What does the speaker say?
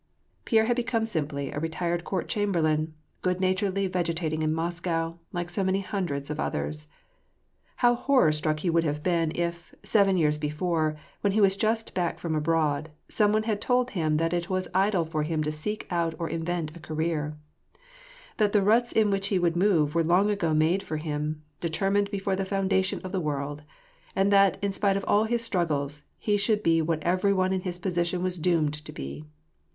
Pierre had become simply a retired court chamberlain, good naturedly vegetating in Moscow, like so many hundit^ of others. How horror struck he would have been if, seven years be fore, when he was just back from abroad, some one had told him that it was idle for him to seek out or invent a career ; that the ruts in which he would move were long ago made for him, determined before the foundation of the world ; and that, in spite of all his struggles,*he should be what every one in his position was doomed to be.